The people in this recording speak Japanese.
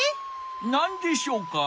なんでしょうか？